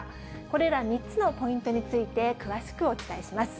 これら３つのポイントについて、詳しくお伝えします。